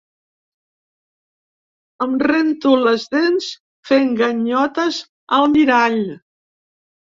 Em rento les dents fent ganyotes al mirall.